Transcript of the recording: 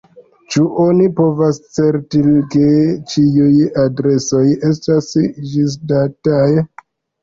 Ĉu oni povas certi, ke ĉiuj adresoj estas ĝisdataj?